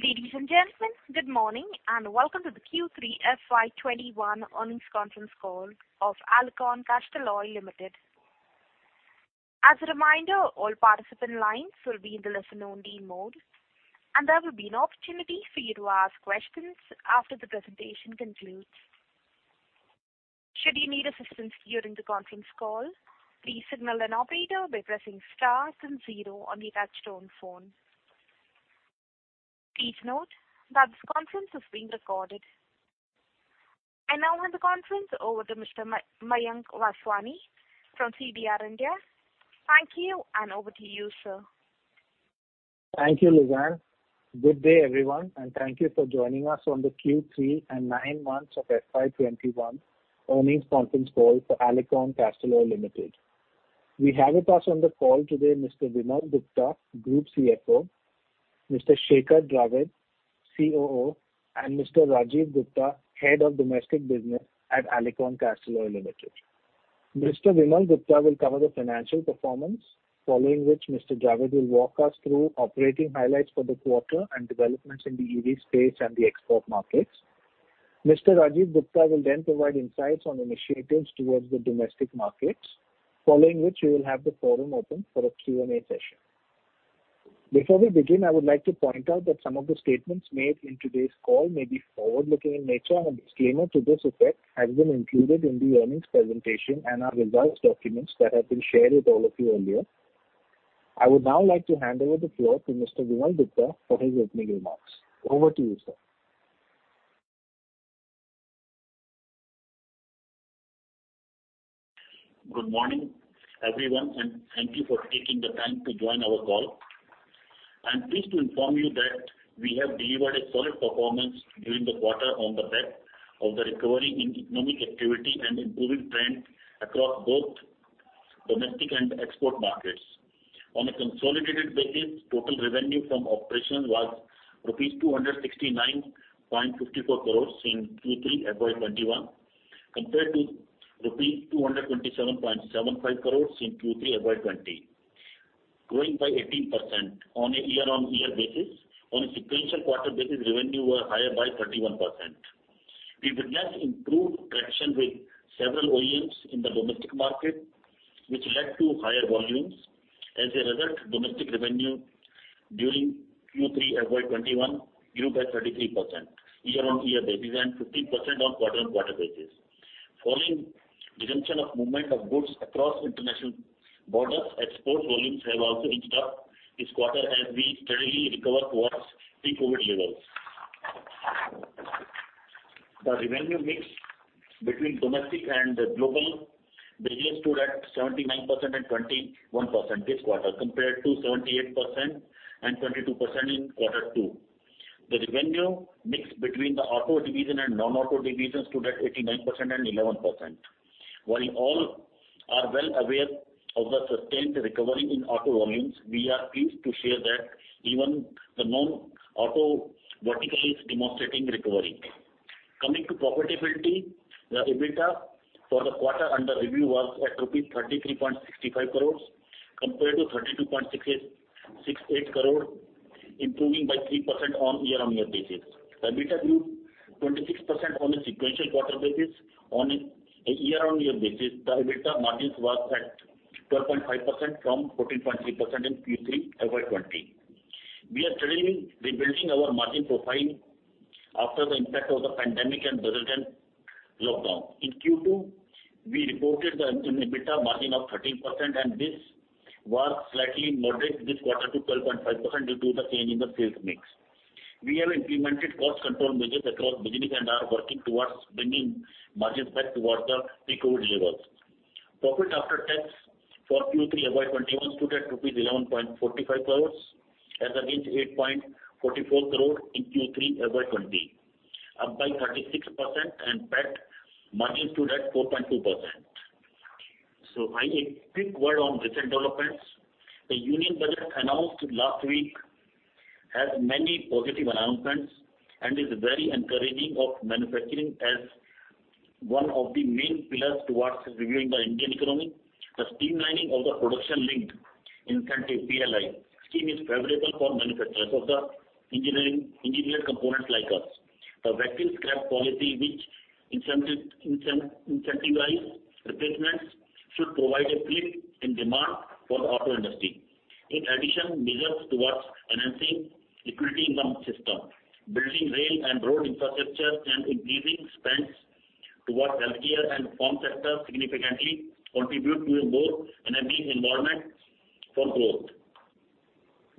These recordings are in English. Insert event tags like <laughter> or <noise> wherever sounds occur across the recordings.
Ladies and gentlemen, good morning, and welcome to the Q3 FY 2021 earnings conference call of Alicon Castalloy Limited. As a reminder, all participant lines will be in the listen-only mode, and there will be an opportunity for you to ask questions after the presentation concludes. Please note that this conference is being recorded. I now hand the conference over to Mr. Mayank Vaswani from CDR India. Thank you, and over to you, sir. Thank you, Lizanne. Good day, everyone, and thank you for joining us on the Q3 and nine months of FY 2021 earnings conference call for Alicon Castalloy Limited. We have with us on the call today, Mr. Vimal Gupta, Group Chief Financial Officer, Mr. Shekhar Dravid, Chief Operating Officer, and Mr. Rajiv Gupta, Head of Domestic Business at Alicon Castalloy Limited. Mr. Vimal Gupta will cover the financial performance, following which Mr. Dravid will walk us through operating highlights for the quarter and developments in the EV space and the export markets. Mr. Rajiv Gupta will then provide insights on initiatives towards the domestic markets, following which we will have the forum open for a Q&A session. Before we begin, I would like to point out that some of the statements made in today's call may be forward-looking in nature and a disclaimer to this effect has been included in the earnings presentation and our results documents that have been shared with all of you earlier. I would now like to hand over the floor to Mr. Vimal Gupta for his opening remarks. Over to you, sir. Good morning, everyone. Thank you for taking the time to join our call. I'm pleased to inform you that we have delivered a solid performance during the quarter on the back of the recovery in economic activity and improving trend across both domestic and export markets. On a consolidated basis, total revenue from operations was rupees 269.54 crores in Q3 FY 2021 compared to rupees 227.75 crores in Q3 FY 2020, growing by 18% on a year-on-year basis. On a sequential quarter basis, revenue was higher by 31%. We witnessed improved traction with several OEMs in the domestic market, which led to higher volumes. As a result, domestic revenue during Q3 FY 2021 grew by 33% year-on-year basis and 15% on quarter-on-quarter basis. Following resumption of movement of goods across international borders, export volumes have also reached up this quarter as we steadily recover towards pre-COVID levels. The revenue mix between domestic and global business stood at 79% and 21% this quarter, compared to 78% and 22% in quarter two. The revenue mix between the auto division and non-auto division stood at 89% and 11%. While all are well aware of the sustained recovery in auto volumes, we are pleased to share that even the non-auto vertical is demonstrating recovery. Coming to profitability, the EBITDA for the quarter under review was at rupees 33.65 crores compared to 32.68 crore, improving by 3% on year-on-year basis. The EBITDA grew 26% on a sequential quarter basis. On a year-on-year basis, the EBITDA margins was at 12.5% from 14.3% in Q3 FY 2020. We are steadily rebuilding our margin profile after the impact of the pandemic and resultant lockdown. In Q2, we reported an EBITDA margin of 13%. This was slightly moderate this quarter to 12.5% due to the change in the sales mix. We have implemented cost control measures across business and are working towards bringing margins back towards the pre-COVID levels. Profit after tax for Q3 FY 2021 stood at INR 11.45 crores as against 8.44 crore in Q3 FY 2020, up by 36%. PAT margin stood at 4.2%. Finally, a quick word on recent developments. The Union Budget announced last week has many positive announcements and is very encouraging of manufacturing as one of the main pillars towards reviving the Indian economy. The streamlining of the Production Linked Incentive (PLI) scheme is favorable for manufacturers of the engineered components like us. The vehicle scrap policy which incentivize replacements should provide a flip in demand for the auto industry. In addition, measures towards enhancing liquidity in the system, building rail and road infrastructure, and increasing spends towards healthcare and farm sector significantly contribute to a more enabling environment for growth.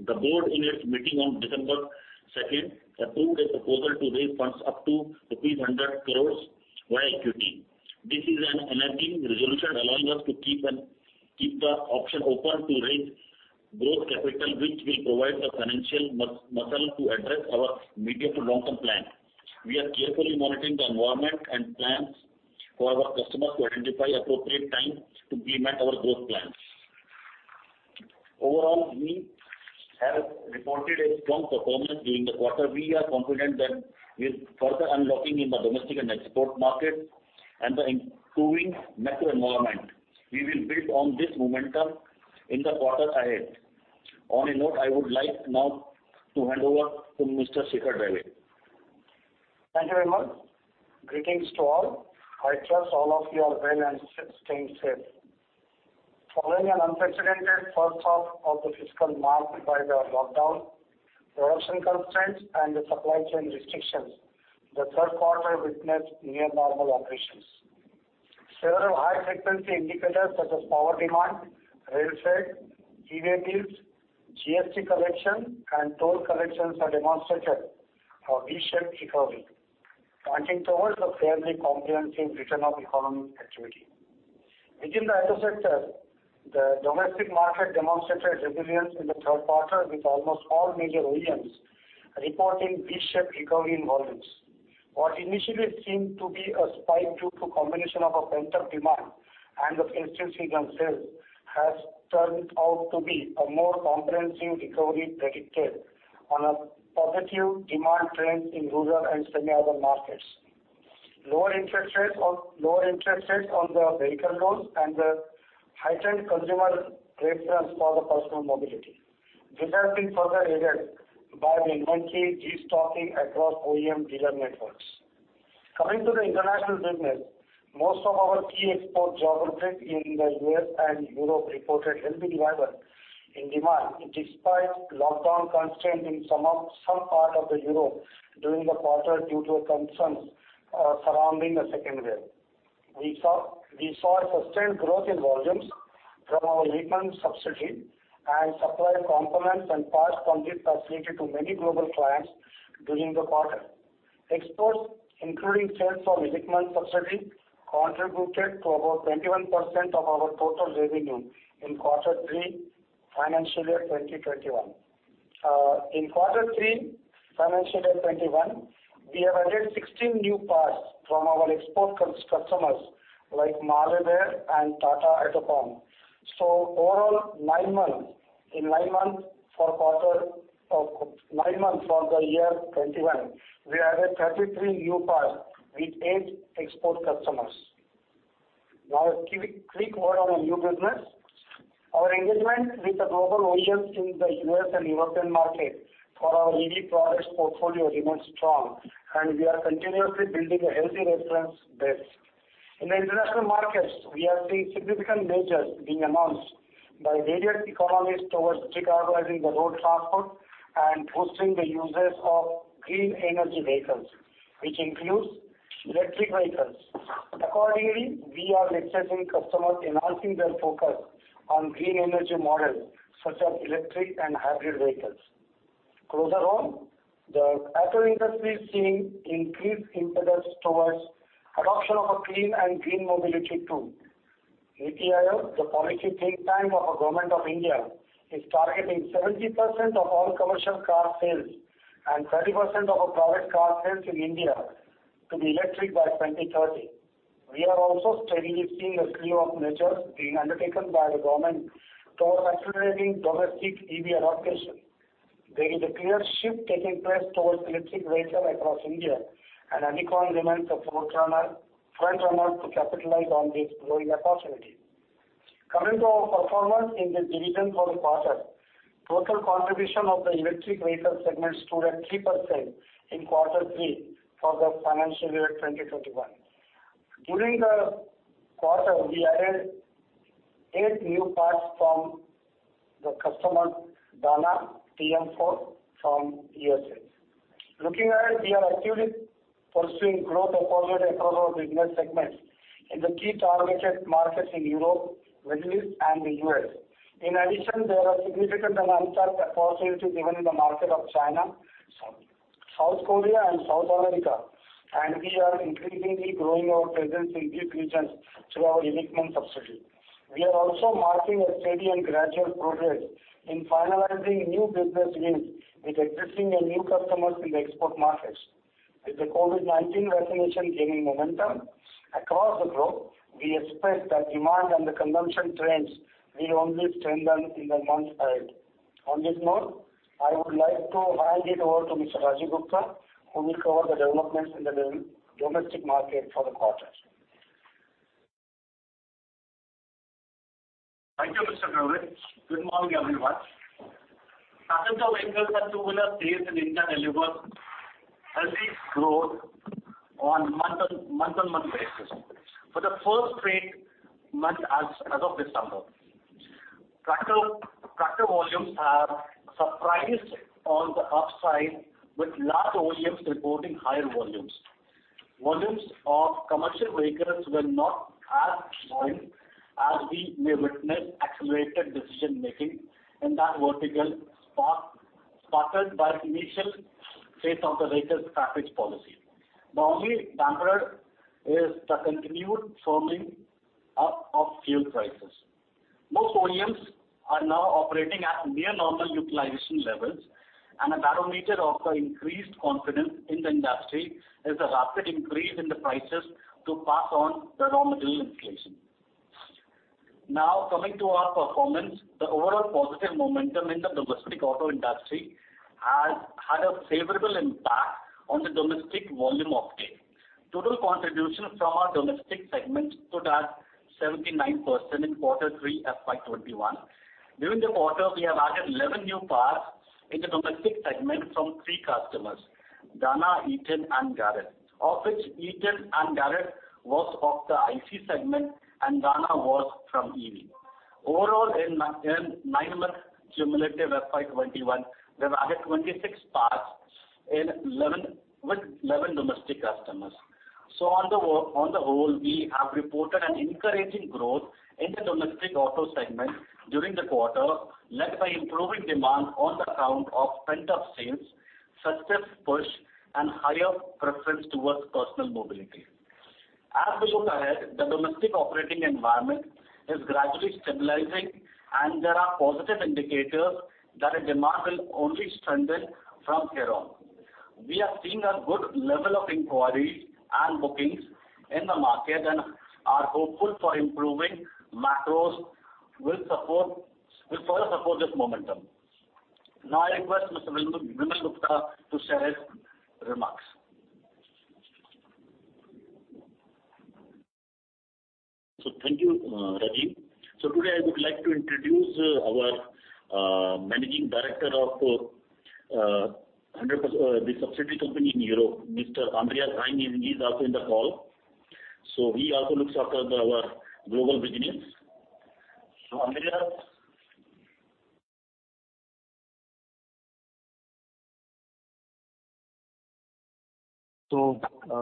The board in its meeting on December 2nd approved a proposal to raise funds up to rupees 100 crores via equity. This is an enabling resolution allowing us to keep the option open to raise growth capital, which will provide the financial muscle to address our medium to long-term plan. We are carefully monitoring the environment and plans for our customers to identify appropriate times to implement our growth plans. Overall, we have reported a strong performance during the quarter. We are confident that with further unlocking in the domestic and export market and the improving macro environment, we will build on this momentum in the quarter ahead. On a note, I would like now to hand over to Mr. Shekhar Dravid. Thank you very much. Greetings to all. I trust all of you are well and staying safe. Following an unprecedented first half of the fiscal marked by the lockdown, production constraints, and the supply chain restrictions, the third quarter witnessed near normal operations. Several high-frequency indicators such as power demand, rail freight, GST collection, and toll collections have demonstrated a V-shaped recovery, pointing towards a fairly comprehensive return of economic activity. Within the auto sector, the domestic market demonstrated resilience in the third quarter, with almost all major OEMs reporting V-shaped recovery in volumes. What initially seemed to be a spike due to a combination of a pent-up demand, and the festival season sales has turned out to be a more comprehensive recovery predicted on a positive demand trend in rural and semi-urban markets, lower interest rates on the vehicle loans and the heightened consumer preference for personal mobility. This has been further aided by the inventory de-stocking across OEM dealer networks. Coming to the international business, most of our key export geographies in the U.S. and Europe reported healthy revival in demand, despite lockdown constraint in some part of Europe during the quarter, due to concerns surrounding the second wave. We saw sustained growth in volumes from our European subsidiary and supplied components and parts from this facility to many global clients during the quarter. Exports, including sales from European subsidiary, contributed to about 21% of our total revenue in quarter three, financial year 2021. In quarter three, financial year 2021, we have added 16 new parts from our export customers like MAHLE Behr and Tata AutoComp. Overall, in nine months for the year 2021, we added 33 new parts with eight export customers. Now a quick word on our new business. Our engagement with the global OEMs in the U.S. and European market for our EV products portfolio remains strong, and we are continuously building a healthy reference base. In the international markets, we are seeing significant measures being announced by various economies towards decarbonizing the road transport and boosting the usage of green energy vehicles, which includes electric vehicles. Accordingly, we are witnessing customers enhancing their focus on green energy models such as electric and hybrid vehicles. Closer home, the auto industry is seeing increased impetus towards adoption of a clean and green mobility too. NITI Aayog, the policy think tank of the Government of India, is targeting 70% of all commercial car sales and 30% of private car sales in India to be electric by 2030. We are also steadily seeing a slew of measures being undertaken by the government towards accelerating domestic EV adoption. There is a clear shift taking place towards electric vehicles across India, and Alicon remains a frontrunner to capitalize on this growing opportunity. Coming to our performance in this division for the quarter, total contribution of the electric vehicle segment stood at 3% in quarter three for the financial year 2021. During the quarter, we added eight new parts from the customer Dana TM4 from the U.S. Looking ahead, we are actively pursuing growth across our business segments in the key targeted markets in Europe, Middle East, and the U.S. In addition, there are significant untapped opportunities even in the market of China, South Korea, and South America, and we are increasingly growing our presence in these regions through our European subsidiary. We are also marking a steady and gradual progress in finalizing new business wins with existing and new customers in the export markets. With the COVID-19 vaccination gaining momentum across the globe, we expect that demand and the consumption trends will only strengthen in the months ahead. On this note, I would like to hand it over to Mr. Rajiv Gupta, who will cover the developments in the domestic market for the quarter. Thank you, Mr. Dravid. Good morning, everyone. Tata Motors vehicles and two-wheeler sales in India delivered healthy growth on month-on-month basis for the first three months as of December. Tractor volumes have surprised on the upside, with large OEMs reporting higher volumes. Volumes of commercial vehicles were not as strong as we may witness accelerated decision-making in that vertical, sparked by initial fate of the vehicles scrappage policy. The only damper is the continued firming up of fuel prices. Most OEMs are now operating at near normal utilization levels, and a barometer of the increased confidence in the industry is the rapid increase in the prices to pass on raw material inflation. Now, coming to our performance, the overall positive momentum in the domestic auto industry has had a favorable impact on the domestic volume offtake. Total contribution from our domestic segment stood at 79% in quarter three FY 2021. During the quarter, we have added 11 new parts in the domestic segment from three customers, Dana, Eaton, and Garrett. Of which Eaton and Garrett was of the IC segment and Dana was from EV. Overall, in nine months cumulative FY 2021, we've added 26 parts with 11 domestic customers. On the whole, we have reported an encouraging growth in the domestic auto segment during the quarter, led by improving demand on the count of pent-up sales, success push, and higher preference towards personal mobility. As we look ahead, the domestic operating environment is gradually stabilizing, and there are positive indicators that the demand will only strengthen from here on. We are seeing a good level of inquiries and bookings in the market and are hopeful for improving macros, which further support this momentum. Now I request Mr. Vimal Gupta to share his remarks. Thank you, Rajiv. Today I would like to introduce our Managing Director of the subsidiary company in Europe, Mr. Andreas Heim. He's also in the call. He also looks after our global business. Andreas.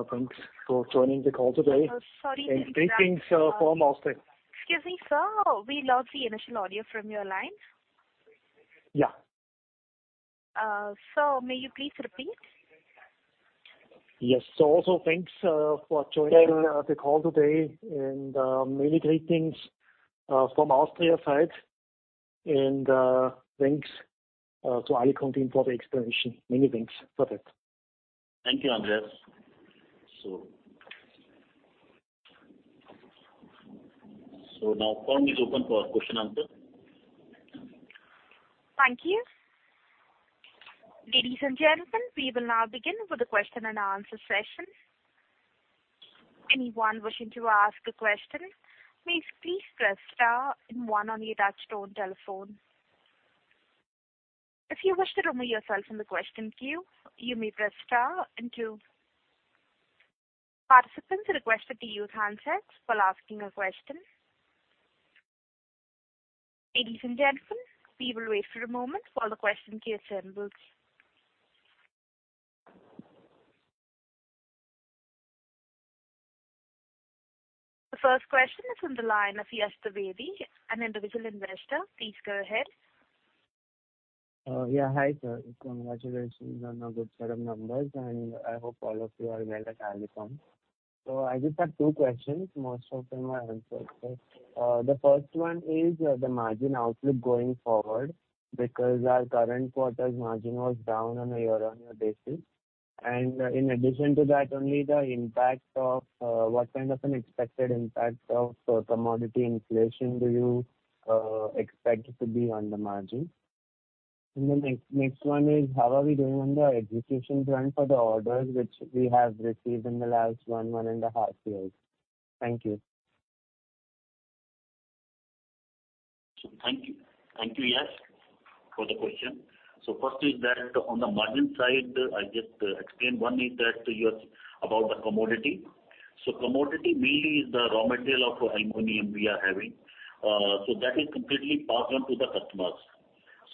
Thanks for joining the call today. Sorry to interrupt. Greetings from Austria. Excuse me, sir. We lost the initial audio from your line. Yeah. Sir, may you please repeat? Yes. Also, thanks for joining the call today and many greetings from Austria side. Thanks to Alicon team for the explanation. Many thanks for that. Thank you, Andreas. Now forum is open for question answer. Thank you. Ladies and gentlemen, we will now begin with the question-and-answer session. Anyone wishing to ask a question, please press star and one on your touchtone telephone. If you wish to remove yourself from the question queue, you may press star and two. Participants are requested to use handsets while asking a question. Ladies and gentlemen, we will wait for a moment while the question queue assembles. The first question is on the line of Yash Trivedi, an individual investor. Please go ahead. Hi, sir. Congratulations on a good set of numbers. I hope all of you are well at Alicon. I just have two questions. Most of them are answered, the first one is the margin outlook going forward because our current quarter's margin was down on a year-on-year basis. In addition to that, only the impact of what kind of an expected impact of commodity inflation do you expect to be on the margin? The next one is how are we doing on the execution front for the orders which we have received in the last one and a half years? Thank you. Thank you. Thank you, Yash, for the question. First is that on the margin side, I just explained one is that yours about the commodity. Commodity mainly is the raw material of aluminum we are having. That is completely passed on to the customers.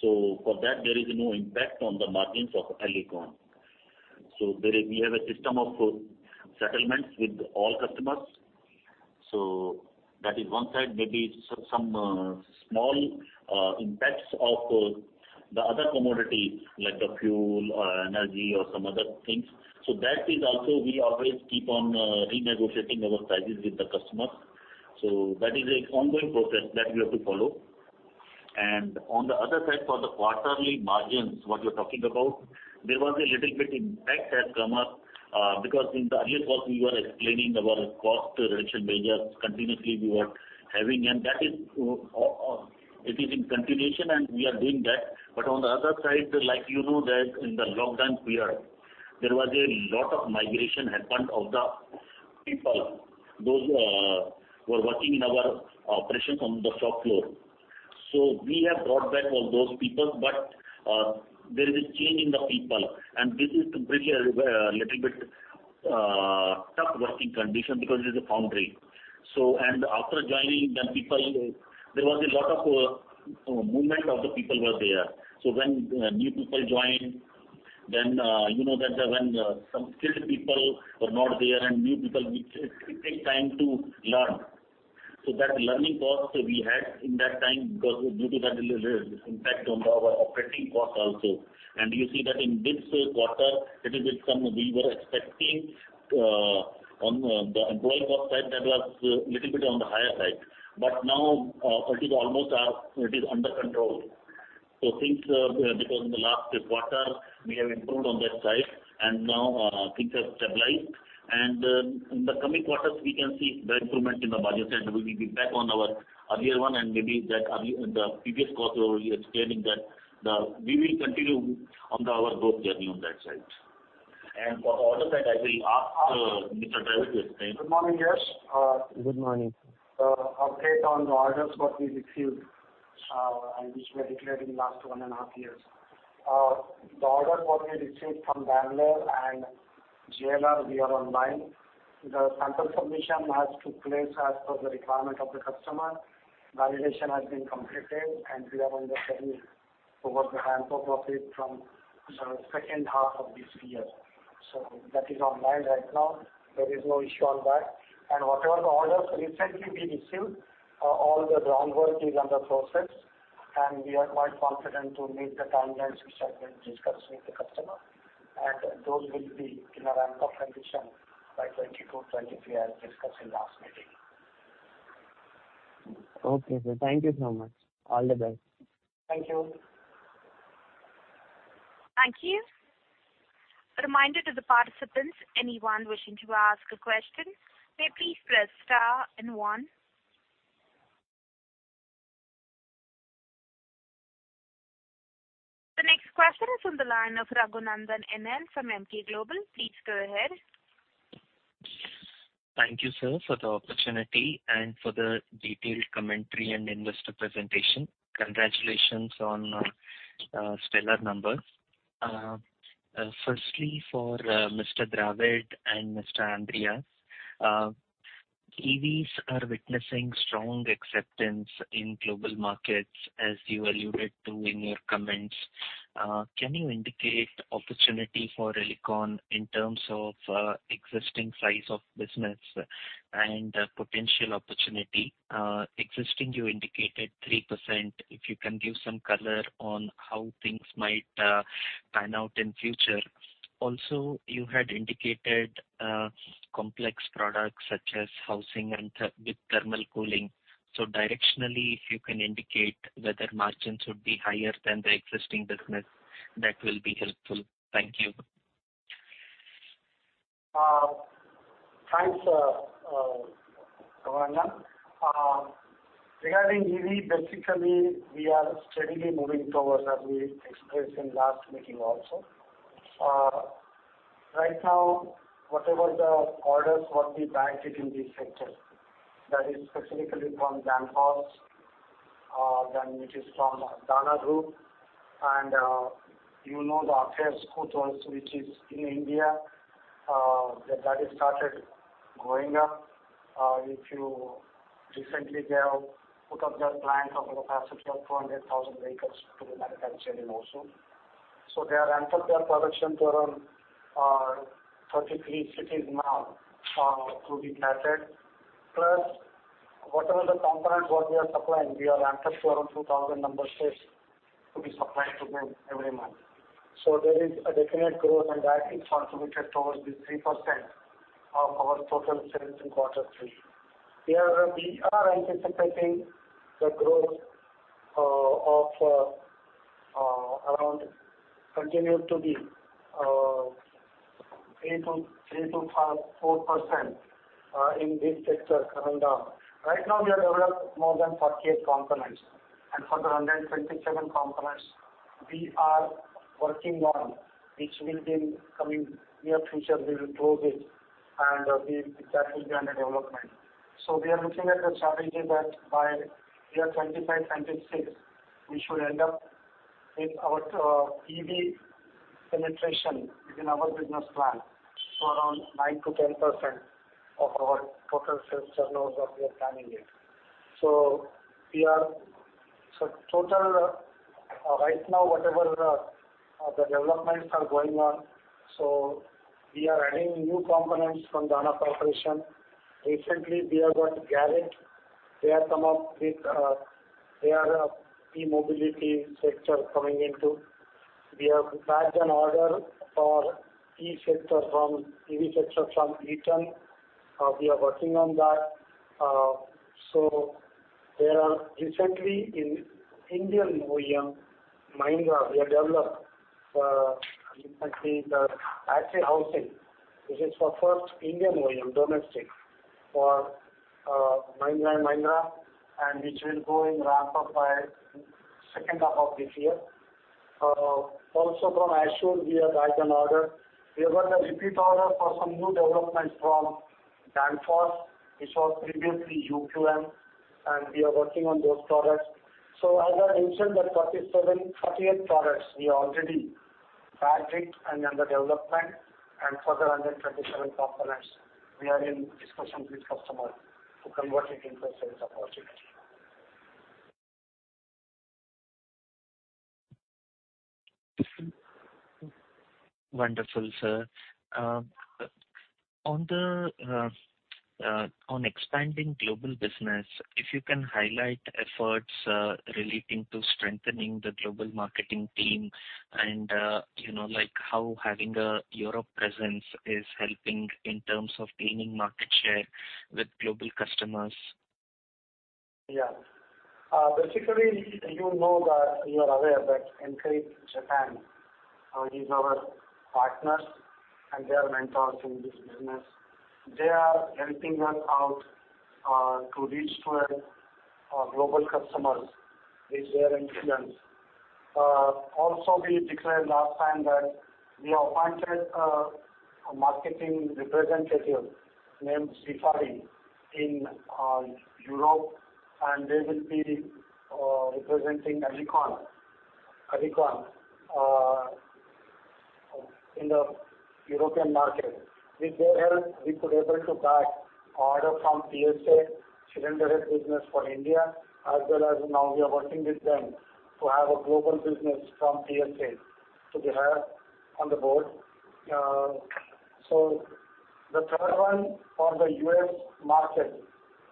For that, there is no impact on the margins of Alicon. There we have a system of settlements with all customers. That is one side, maybe some small impacts of the other commodity, like the fuel or energy or some other things. That is also, we always keep on renegotiating our prices with the customers. That is an ongoing process that we have to follow. On the other side, for the quarterly margins, what you're talking about, there was a little bit impact has come up, because in the earlier call, we were explaining our cost reduction measures continuously we were having, and it is in continuation, and we are doing that. On the other side, like you know that in the lockdown period, there was a lot of migration happened of the people, those who were working in our operations on the shop floor. We have brought back all those people, but there is a change in the people, and this is a little bit tough working condition because it is a foundry. After joining the people, there was a lot of movement of the people were there. When new people join, then you know that when some skilled people were not there and new people, it takes time to learn. That learning cost we had in that time because due to that there is impact on our operating cost also. You see that in this quarter, we were expecting on the employee cost side that was little bit on the higher side. Now it is under control. Since, because in the last quarter, we have improved on that side, and now things have stabilized, and in the coming quarters, we can see the improvement in the margins, and we will be back on our earlier one and maybe that the previous call we were explaining that we will continue on our growth journey on that side. For orders side, I will ask Mr. Dravid to explain. Good morning, yes. Good morning. Update on the orders what we received, and which we are declared in last one and a half years. The order what we received from Danfoss and JLR, we are online. The sample submission has took place as per the requirement of the customer. Validation has been completed. We are on the schedule to work the ramp-up of it from the second half of this year. That is online right now. There is no issue on that. Whatever the orders recently we received, all the groundwork is under process, and we are quite confident to meet the timelines which have been discussed with the customer. Those will be in a ramp-up condition by 2022, 2023, as discussed in last meeting. Okay, sir. Thank you so much. All the best. Thank you. Thank you. A reminder to the participants, anyone wishing to ask a question, may please press star one. The next question is on the line of Raghunandhan NL from Emkay Global. Please go ahead. Thank you, sir, for the opportunity and for the detailed commentary and investor presentation. Congratulations on stellar numbers. Firstly, for Mr. Dravid and Mr. Andreas, EVs are witnessing strong acceptance in global markets, as you alluded to in your comments. Can you indicate opportunity for Alicon in terms of existing size of business and potential opportunity? Existing, you indicated 3%. If you can give some color on how things might pan out in future. Also, you had indicated complex products such as housing with thermal cooling. Directionally, if you can indicate whether margins would be higher than the existing business, that will be helpful. Thank you. Thanks, Raghunandhan. Regarding EV, basically, we are steadily moving towards, as we expressed in last meeting also. Right now, whatever the orders what we bagged it in this sector, that is specifically from Danfoss, then which is from Dana Group. You know the Ather scooters which is in India, that is started going up. If you recently they have put up their plant of a capacity of 200,000 vehicles to be manufactured in Hosur. They ramped up their production to around 33 cities now to be planted. Whatever the components what we are supplying, we are ramped up to around 2,000 numbers to be supplied to them every month. There is a definite growth, and that is contributed towards the 3% of our total sales in quarter three. We are anticipating the growth of around continued to be 3%-4% in this sector going down. Right now, we have developed more than 48 components and further 127 components we are working on, which will be coming near future. We will grow this, and that will be under development. We are looking at the strategy that by year 2025, 2026, we should end up with our EV penetration within our business plan to around 9%-10% of our total sales turnover we are planning it. Total right now, whatever the developments are going on, we are adding new components from Dana Corporation. Recently, we have got Garrett. They have come up with their e-mobility sector coming into. We have bagged an order for EV sector from Eaton. We are working on that. Recently in Indian OEM Mahindra, we have developed, in fact, the battery housing. This is for first Indian OEM, domestic, for Mahindra & Mahindra, and which will go in ramp-up by second half of this year. Also from Ashok, we have bagged an order. We have got a repeat order for some new developments from Danfoss, which was previously UQM, and we are working on those products. As I mentioned, that 48 products we already bagged it and under development, and further 127 components, we are in discussions with customer to convert it into a sales opportunity. Wonderful, sir. On expanding global business, if you can highlight efforts relating to strengthening the global marketing team and how having a Europe presence is helping in terms of gaining market share with global customers? Basically, you know that you are aware that Enkei Japan is our partners, and they are mentors in this business. They are helping us out to reach to a global customers. With their influence, we declared last time that we appointed a marketing representative named Scafari in Europe, and they will be representing Alicon in the European market. With their help, we could able to bag order from PSA cylinder head business for India, as well as now we are working with them to have a global business from PSA. They are on the board. The third one for the U.S. market,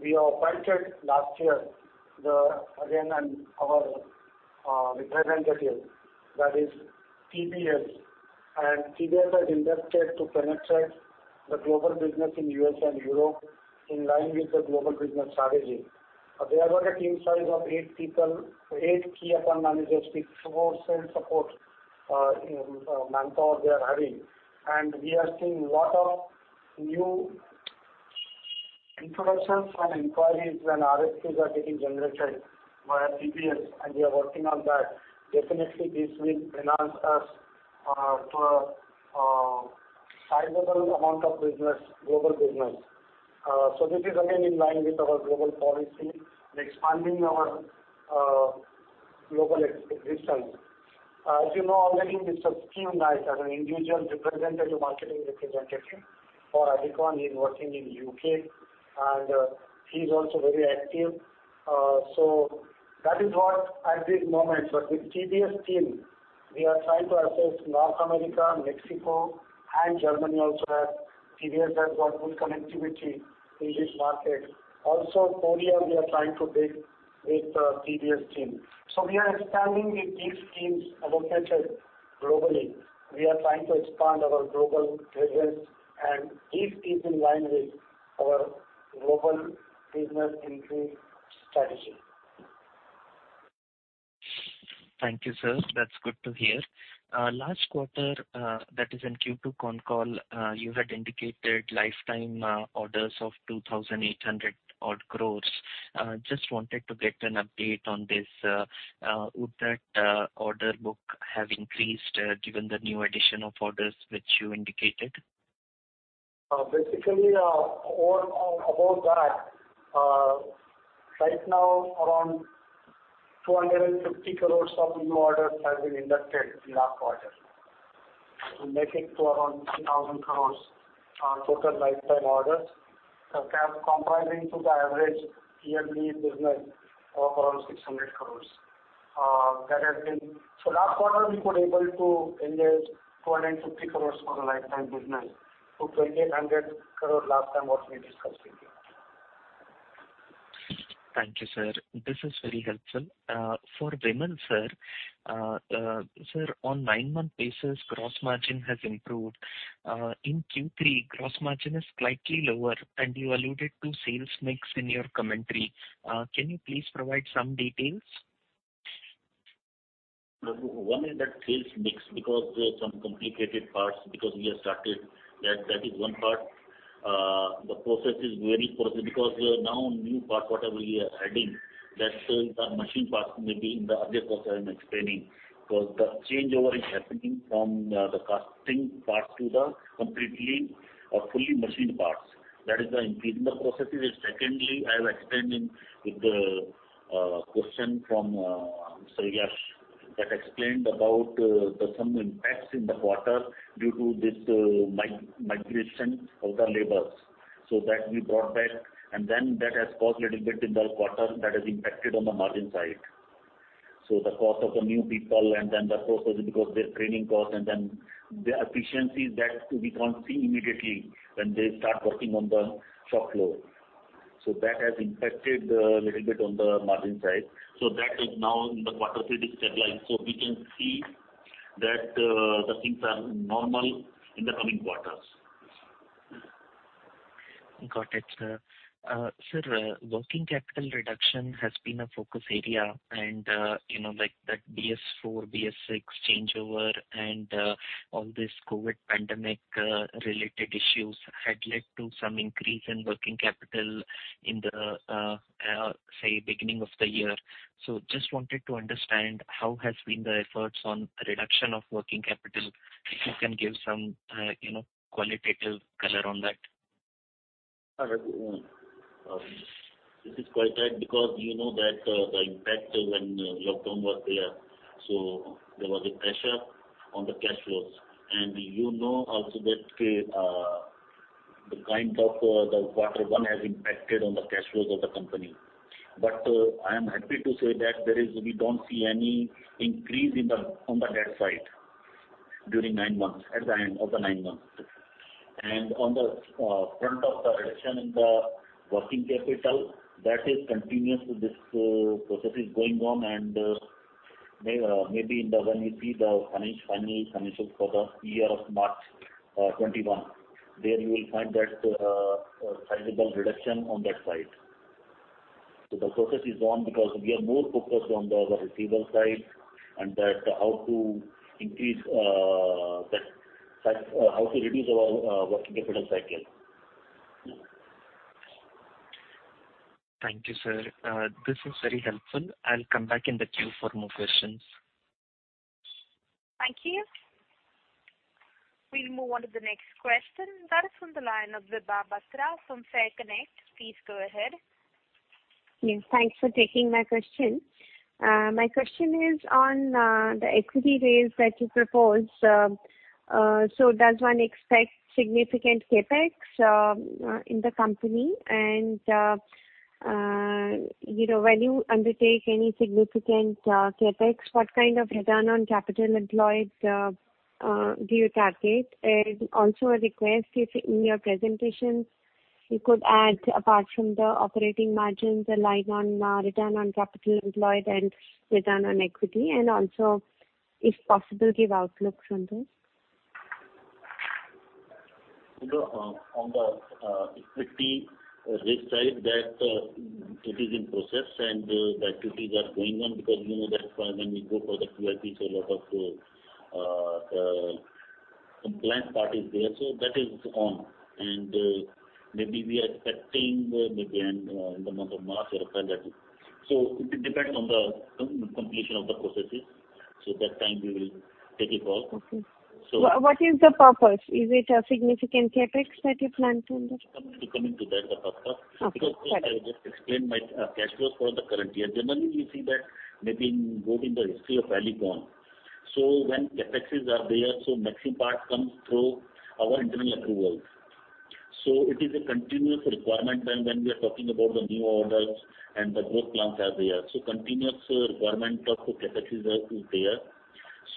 we appointed last year, again, our representative, that is TBS. TBS has inducted to penetrate the global business in U.S. and Europe in line with the global business strategy. They have a team size of eight people, eight key account managers with four sales support manpower they are having. We are seeing lot of new introductions and inquiries and RFQs are getting generated via TBS, and we are working on that. Definitely, this will enhance us to a sizable amount of global business. This is again in line with our global policy, expanding our global reach side. As you know already, Mr. Steve Knight as an individual representative, marketing representative for Alicon, he's working in U.K., and he's also very active. That is what at this moment, but with TBS team, we are trying to access North America, Mexico, and Germany also, as TBS has got good connectivity in these markets. Also, Korea, we are trying to build with the TBS team. We are expanding with these teams of our nature globally. We are trying to expand our global presence, and this is in line with our global business entry strategy. Thank you, sir. That's good to hear. Last quarter, that is in Q2 con call, you had indicated lifetime orders of 2,800 odd crores. Just wanted to get an update on this. Would that order book have increased given the new addition of orders which you indicated? About that, right now around 250 crore of new orders has been inducted in last quarter, to make it to around 3,000 crore on total lifetime orders, comprising to the average yearly business of around 600 crore. Last quarter, we could able to engage 250 crore for the lifetime business to 2,800 crore last time what we discussed in here. Thank you, sir. This is very helpful. For Vimal, sir. Sir, on nine-month basis, gross margin has improved. In Q3, gross margin is slightly lower, and you alluded to sales mix in your commentary. Can you please provide some details? One is that sales mix because there are some complicated parts because we have started. That is one part. The process is very. Now new part, whatever we are adding, that machine parts may be in the earlier process I'm explaining, because the changeover is happening from the casting parts to the completely or fully machined parts. That is the increase in the processes. Secondly, I have explained with the question from Yash, that explained about some impacts in the quarter due to this migration of the labors. That we brought back, and that has caused little bit in the quarter that has impacted on the margin side. The cost of the new people, and the process because their training cost, and their efficiencies, that we can't see immediately when they start working on the shop floor. That has impacted a little bit on the margin side. That is now in the quarter three is stabilized. We can see that the things are normal in the coming quarters. Got it, sir. Sir, working capital reduction has been a focus area and that BS4, BS6 changeover and all this COVID pandemic related issues had led to some increase in working capital in the beginning of the year. I just wanted to understand how has been the efforts on reduction of working capital. If you can give some qualitative color on that. This is quite right because you know that the impact when lockdown was there was a pressure on the cash flows. You know also that the kind of the quarter one has impacted on the cash flows of the company. I am happy to say that we don't see any increase on the debt side during nine months, at the end of the nine months. On the front of the reduction in the working capital, that is continuous. This process is going on and maybe when you see the final financials for the year of March 2021, there you will find that a sizable reduction on that side. The process is on because we are more focused on the receivable side and that how to reduce our working capital cycle. Thank you, sir. This is very helpful. I'll come back in the queue for more questions. Thank you. We'll move on to the next question. That is from the line of Vibha Batra from FairConnect. Please go ahead. Yes, thanks for taking my question. My question is on the equity raise that you proposed. Does one expect significant CapEx in the company? When you undertake any significant CapEx, what kind of return on capital employed do you target? Also, a request, if in your presentation, you could add, apart from the operating margins, a line on return on capital employed and return on equity, also, if possible, give outlook from this. On the equity raise side, that it is in process and the activities are going on because you know that when we go for the QIP, a lot of the compliance part is there. That is on. Maybe we are expecting in the month of March or February. It depends on the completion of the processes. That time we will take it all. Okay. So. <crosstalk> What is the purpose? Is it a significant CapEx that you plan to invest? Coming to that, Batra. Okay, got it. First, I just explain my cash flows for the current year. Generally, we see that maybe go in the history of Alicon. When CapExes are there, so maximum part comes through our internal accruals. It is a continuous requirement when we are talking about the new orders, and the growth plans are there. Continuous requirement of CapEx is there.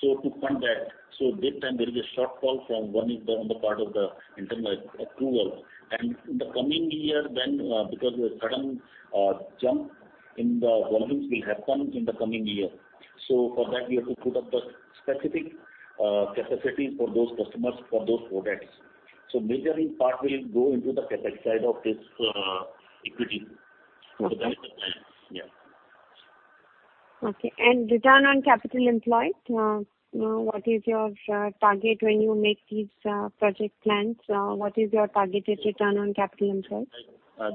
To fund that, so this time there is a shortfall from one is the, on the part of the internal approval. In the coming year then, because a sudden jump in the volumes will happen in the coming year. For that, we have to put up the specific capacity for those customers, for those products. Majorly, part will go into the CapEx side of this equity. Okay. That is the plan. Okay. Return on capital employed, what is your target when you make these project plans? What is your targeted return on capital employed?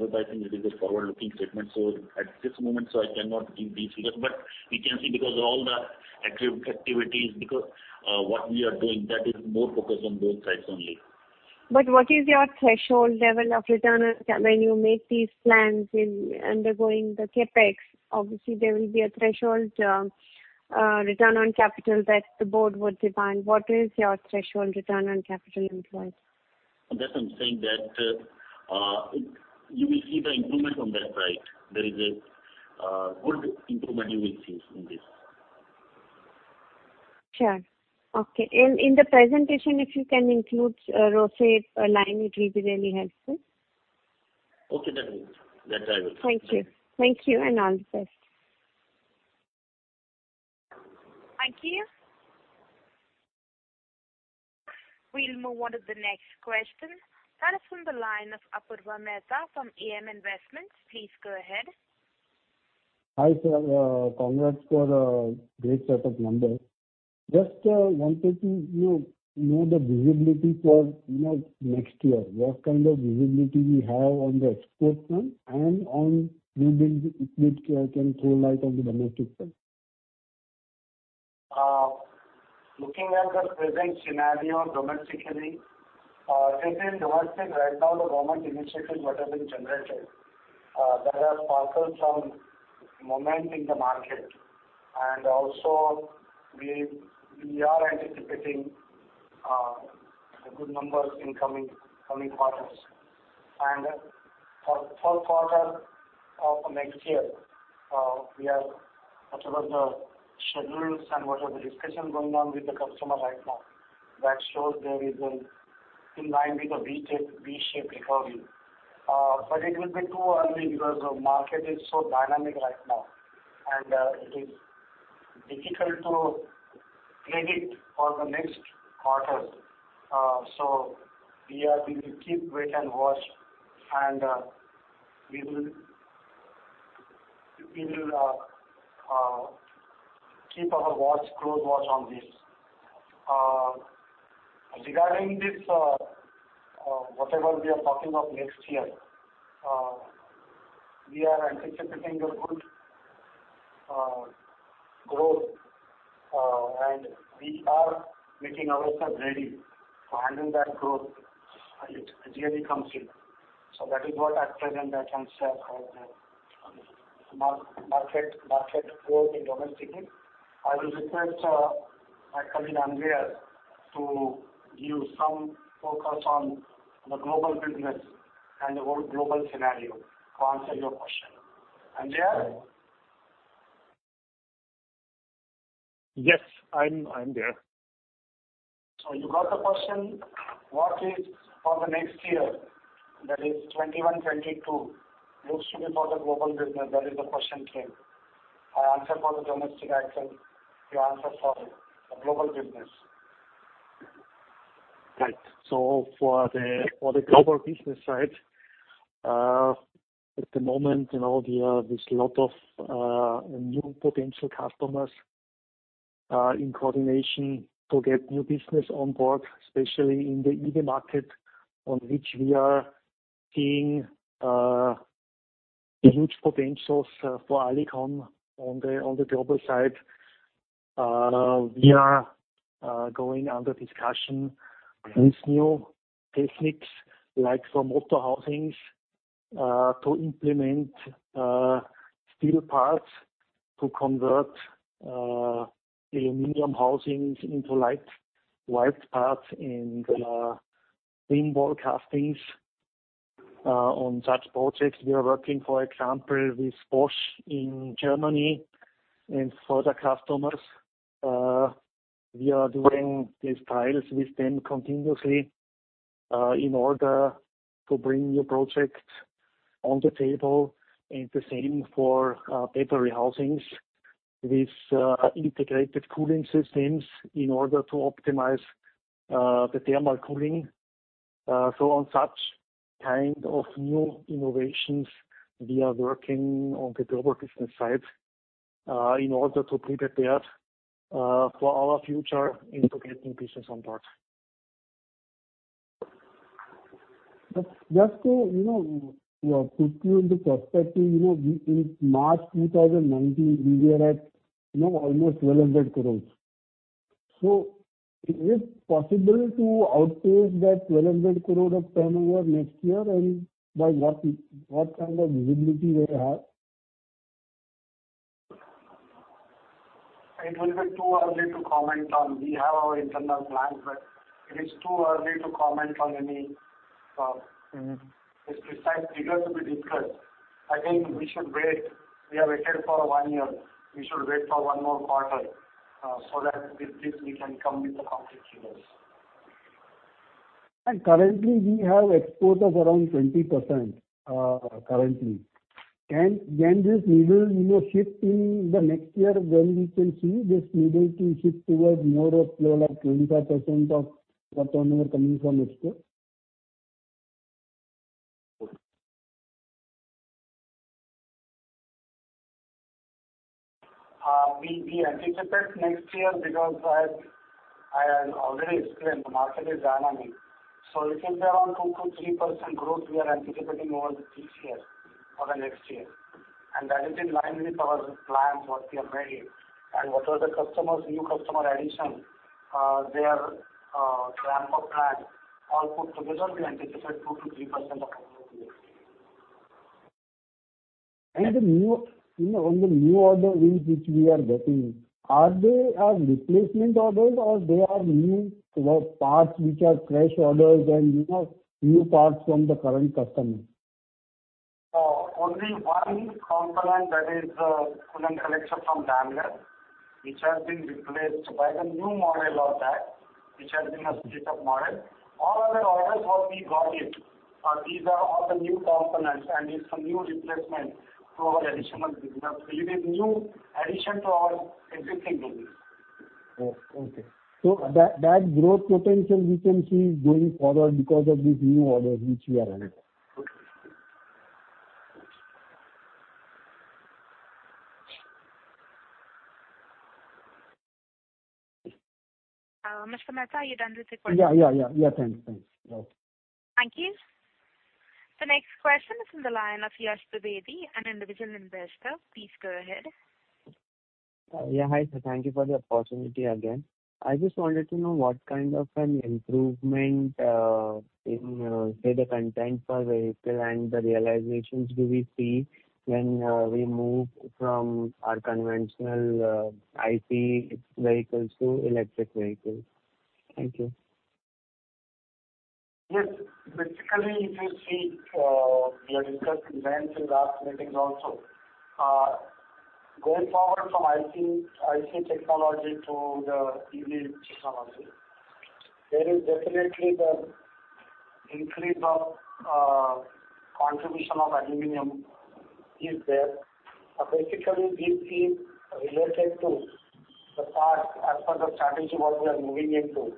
With that, I think it is a forward-looking statement, at this moment, I cannot give these figures, we can see because all the activities, because what we are doing that is more focused on those sides only. What is your threshold level of return on cap when you make these plans in undergoing the CapEx? Obviously, there will be a threshold return on capital that the board would define. What is your threshold return on capital employed? That I'm saying that you will see the improvement on that side. There is a good improvement you will see in this. Sure. Okay. In the presentation, if you can include a row, say, a line, it will be really helpful. Okay, done. That I will. Thank you. Thank you, and all the best. Thank you. We will move on to the next question. That is from the line of Apurva Mehta from AM Investments. Please go ahead. Hi, sir. Congrats for great set of numbers. Just wanted to know the visibility for next year. What kind of visibility we have on the export front and on new build equipment if you can throw light on the domestic front. Looking at the present scenario domestically, within domestic right now, the government initiatives what has been generated, there are sparkles of moment in the market. Also, we are anticipating good numbers in coming quarters. For third quarter of next year, we have whatever the schedules and whatever the discussions going on with the customer right now, that shows there is in line with the V-shaped recovery. It will be too early because the market is so dynamic right now, and it is difficult to predict for the next quarter. We will keep, wait and watch, and we will keep our close watch on this. Regarding this, whatever we are talking of next year, we are anticipating a good growth, and we are making ourselves ready to handle that growth as it really comes in. That is what at present I can share for the market growth domestically. I will request my colleague, Andreas, to give some focus on the global business and the whole global scenario to answer your question. Andreas? Yes, I'm there. You got the question, what is for the next year? That is 2021, 2022. Looks to be for the global business. That is the question came. I answered for the domestic side, so you answer for the global business. Right. For the global business side, at the moment, there's lot of new potential customers. In coordination to get new business on board, especially in the EV market, on which we are seeing huge potentials for Alicon on the global side. We are going under discussion on these new techniques, like for motor housings, to implement steel parts to convert aluminum housings into lightweight parts and thin-wall castings. On such projects, we are working, for example, with Bosch in Germany and further customers. We are doing these trials with them continuously in order to bring new projects on the table. The same for battery housings with integrated cooling systems in order to optimize the thermal cooling. On such kind of new innovations we are working on the global business side in order to be prepared for our future and to get new business on board. Just to put you into perspective, in March 2019, we were at almost 1,200 crores. Is it possible to outpace that 1,200 crore of turnover next year? By what kind of visibility do you have? It will be too early to comment on. We have our internal plans. It is too early to comment on any precise figure to be discussed. We should wait. We have waited for one year. We should wait for one more quarter so that with this we can come with the concrete figures. Currently we have export of around 20%. When this needle will shift in the next year, when we can see this needle to shift towards more of around like 25% of the turnover coming from export? We anticipate next year because I have already explained, the market is dynamic. It will be around 2%-3% growth we are anticipating over this year or the next year. That is in line with our plans what we have made and what are the new customer addition, their ramp-up plan. All put together, we anticipate 2%-3% of growth this year. On the new order wins which we are getting, are they replacement orders or they are new parts which are fresh orders and new parts from the current customers? Only one component that is coolant collector from Daimler, which has been replaced by the new model of that, which has been a split-up model. All other orders what we got it are these are all the new components and is a new replacement to our additional business. It is new addition to our existing business. Oh, okay. That growth potential we can see is going forward because of these new orders which we are adding. Good. Mr. Mehta, are you done with the questions? Yeah. Thanks. Thank you. Next question is on the line of Yash Trivedi, an individual investor. Please go ahead. Hi sir. Thank you for the opportunity again. I just wanted to know what kind of an improvement in, say, the content per vehicle and the realizations do we see when we move from our conventional IC vehicles to electric vehicles. Thank you. Yes. Basically, if you see, we have discussed this in last meetings also. Going forward from IC technology to the EV technology, there is definitely the increase of contribution of aluminum is there. Basically, this is related to the parts as per the strategy what we are moving into,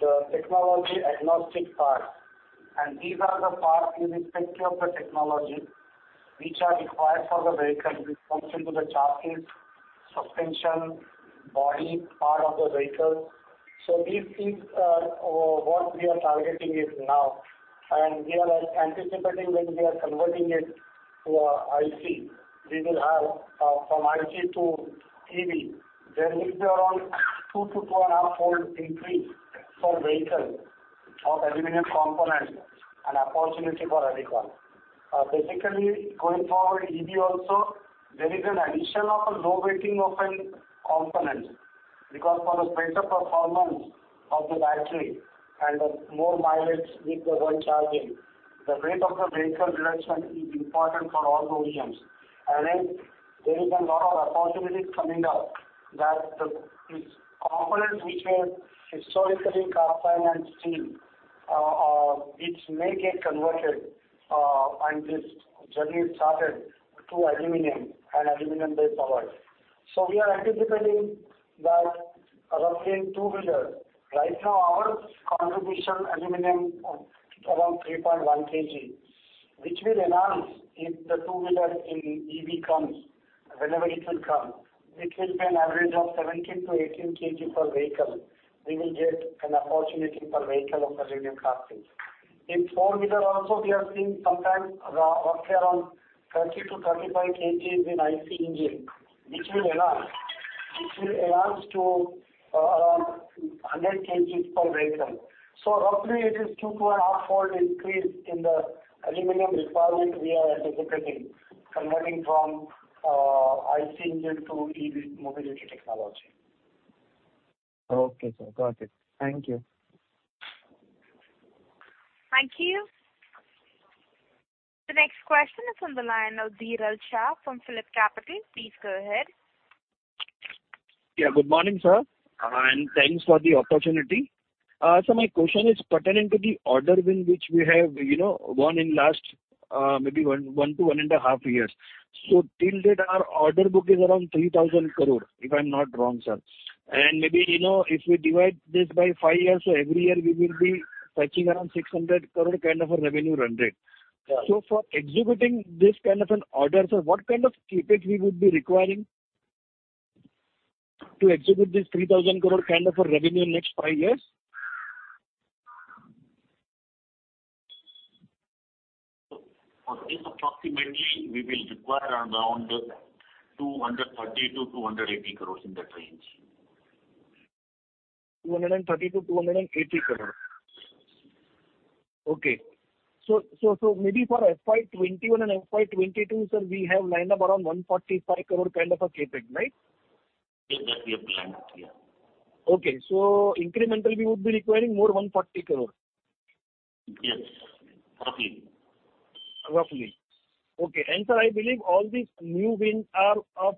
the technology agnostic parts. These are the parts irrespective of the technology, which are required for the vehicle with function to the chassis, suspension, body part of the vehicle. These things are what we are targeting is now. We are anticipating when we are converting it to IC, we will have from IC to EV, there will be around two-to-two-and-a-half-fold increase for vehicle of aluminum components, an opportunity for Alicon. Going forward EV also, there is an addition of a lightweighting of a component because for the better performance of the battery and the more mileage with the one charging, the weight of the vehicle reduction is important for all OEMs. There is a lot of opportunities coming up that these components which were historically cast iron and steel which may get converted on this journey started to aluminum and aluminum-based alloys. We are anticipating that. Roughly in two-wheeler. Right now, our contribution aluminum is around 3.1 kg, which will enhance if the two-wheeler in EV comes, whenever it will come. It will be an average of 17 kg-18 kg per vehicle. We will get an opportunity per vehicle of aluminum castings. In four-wheeler also, we are seeing sometimes roughly around 30 kg-35 kgs in IC engine, which will enhance. Which will enhance to around 100 kgs per vehicle. Roughly, it is two-and-a-half-fold increase in the aluminum requirement we are anticipating, converting from IC engine to EV mobility technology. Okay, sir. Got it. Thank you. Thank you. The next question is on the line of Dhiral Shah from Phillip Capital. Please go ahead. Yeah, good morning, sir, and thanks for the opportunity. My question is pertaining to the order win which we have won in last maybe one to one and a half years. Till date, our order book is around 3,000 crore, if I'm not wrong, sir. Maybe if we divide this by five years, so every year we will be touching around 600 crore kind of a revenue run rate. Yeah. For executing this kind of an order, sir, what kind of CapEx we would be requiring to execute this 3,000 crore kind of a revenue in next five years? For this approximately we will require around 230 crore-280 crore, in that range. 230 crore-280 crore. Okay. Maybe for FY 2021 and FY 2022, sir, we have lined up around 145 crore kind of a CapEx, right? Yes, that we have planned, yeah. Okay, incremental we would be requiring more 140 crore. Yes. Roughly. Roughly. Okay. Sir, I believe all these new wins are of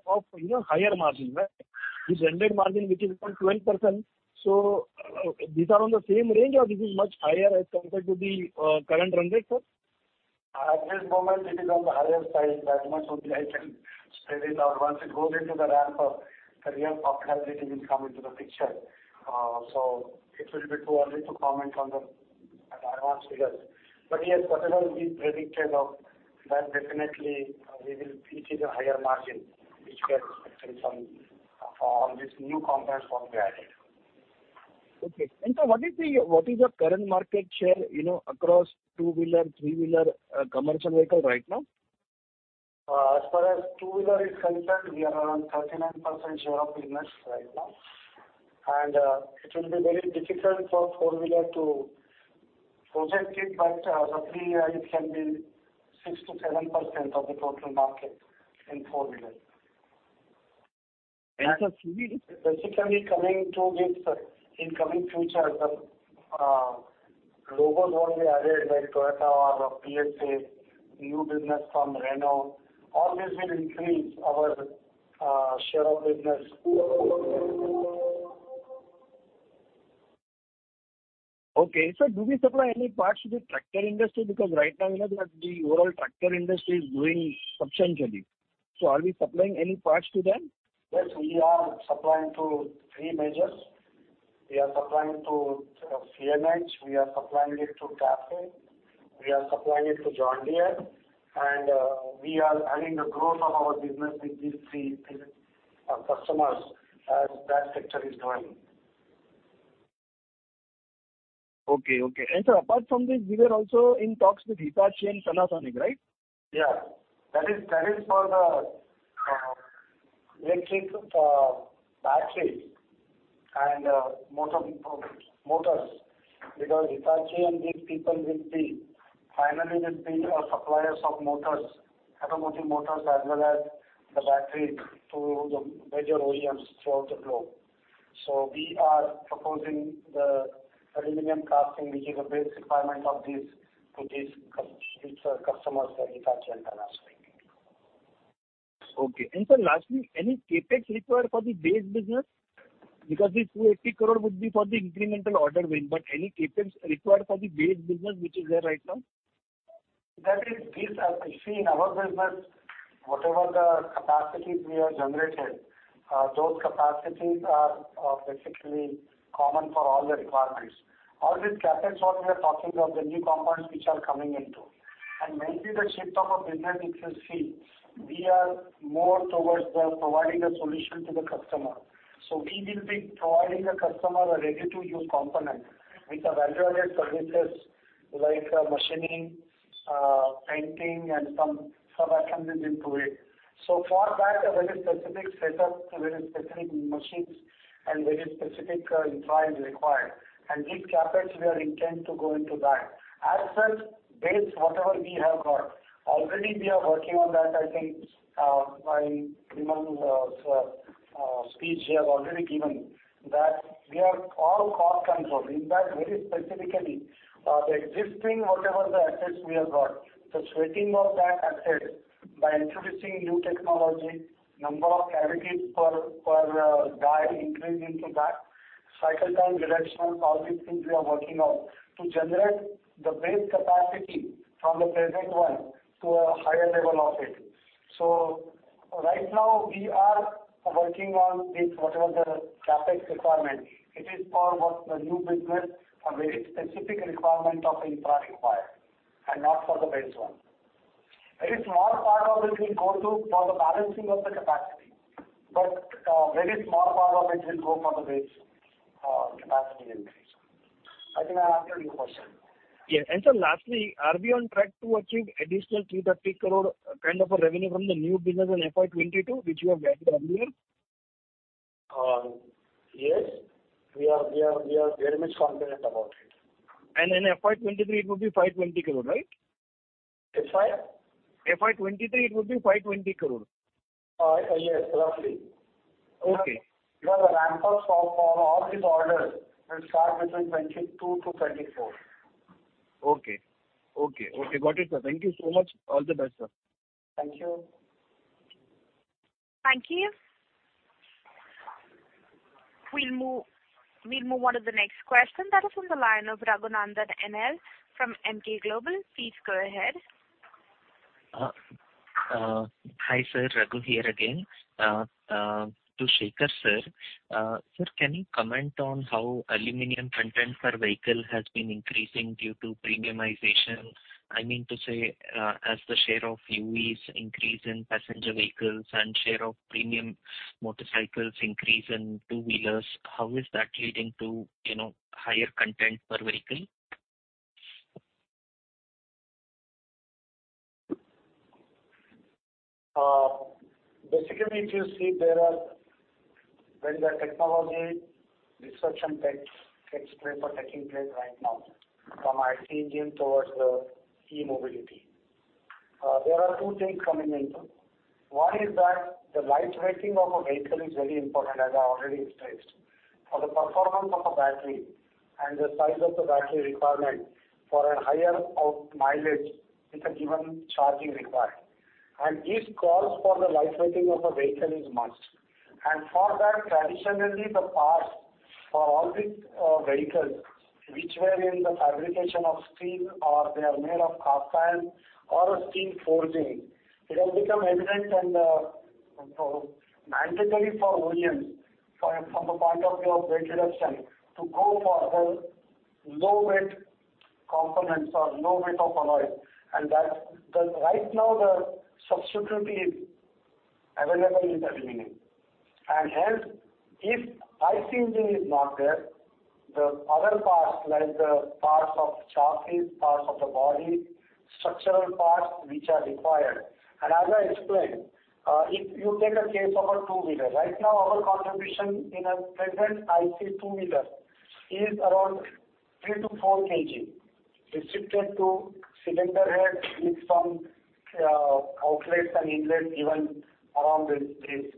higher margin, right? This rendered margin, which is around 12%, these are on the same range, or this is much higher as compared to the current run rate, sir? At this moment, it is on the higher side. That much only I can say it. Once it goes into the ramp up, the real profitability will come into the picture. It will be too early to comment on the advance figures. Yes, whatever we predicted of that definitely we will reach a higher margin, which we are expecting from all these new components what we added. Sir, what is your current market share across 2W, 3W, commercial vehicle right now? As far as 2W is concerned, we are around 39% share of business right now. It will be very difficult for 4W to project it, but roughly it can be 6%-7% of the total market in 4W. Sir, 3W? Basically, coming to 3Ws, sir, in coming future, logos will be added like Toyota or PSA, new business from Renault. All this will increase our share of business. Okay. Sir, do we supply any parts to the tractor industry? Right now, we know that the overall tractor industry is growing substantially. Are we supplying any parts to them? Yes, we are supplying to three majors. We are supplying to CNH, we are supplying it to TAFE, we are supplying it to John Deere, and we are adding the growth of our business with these three customers as that sector is growing. Okay. Sir, apart from this, we were also in talks with Hitachi and Panasonic, right? ThaWt is for the electric battery and motors because Hitachi and these people will be, finally will be our suppliers of automotive motors as well as the battery to the major OEMs throughout the globe. We are proposing the aluminum casting, which is a base requirement of this to these future customers, the Hitachi and Panasonic. Okay. Sir, lastly, any CapEx required for the base business? This 280 crore would be for the incremental order win, but any CapEx required for the base business which is there right now? That is, these are, you see, in our business, whatever the capacity we have generated, those capacities are basically common for all the requirements. All this CapEx what we are talking of the new components which are coming into. Mainly the shift of a business if you see, we are more towards the providing a solution to the customer. We will be providing a customer a ready-to-use component with the value-added services like machining, painting, and some assembly into it. For that, a very specific set of very specific machines and very specific tool is required. This CapEx we are intent to go into that. As such, base, whatever we have got, already we are working on that. I think by Vimal Gupta's speech he has already given that we are all cost control. In fact, very specifically, the existing whatever the assets we have got, the sweating of that asset by introducing new technology, number of cavities per die increase into that, cycle time reduction, all these things we are working on to generate the base capacity from the present one to a higher level of it. Right now, we are working on this, whatever the CapEx requirement, it is for what the new business, a very specific requirement of the infra required and not for the base one. A very small part of it will go to for the balancing of the capacity, but a very small part of it will go for the base capacity increase. I think I answered your question. Yes. Sir, lastly, are we on track to achieve additional 330 crore kind of a revenue from the new business in FY 2022, which you have guided earlier? Yes. We are very much confident about it. In FY 2023 it would be 520 crore, right? FY? FY 2023, it would be 520 crore. Yes, roughly. Okay. The ramp-ups for all these orders will start between 2022 to 2024. Okay. Got it, sir. Thank you so much. All the best, sir. Thank you. Thank you. We will move on to the next question that is on the line of Raghunandhan NL from Emkay Global. Please go ahead. Hi, sir. Raghu here again. To Shekhar, sir. Sir, can you comment on how aluminum content per vehicle has been increasing due to premiumization? I mean to say, as the share of EVs increase in passenger vehicles and share of premium motorcycles increase in two-wheelers, how is that leading to higher content per vehicle? If you see when the technology disruption takes place or taking place right now from IC engine towards the e-mobility, there are two things coming into. One is that the light weighting of a vehicle is very important, as I already stressed, for the performance of a battery and the size of the battery requirement for a higher mileage with a given charging required. This calls for the light weighting of a vehicle is must. For that, traditionally, the parts for all the vehicles which were in the fabrication of steel or they are made of cast iron or a steel forging, it has become evident and mandatory for OEMs from the point of view of weight reduction to go for the low weight components or low weight of alloy. Right now, the substitute is available in aluminum. Hence if IC engine is not there, the other parts like the parts of chassis, parts of the body, structural parts which are required. As I explained, if you take a case of a two-wheeler, right now our contribution in a present IC two-wheeler is around 3 kg-4 kg, restricted to cylinder head with some outlets and inlets given around this case,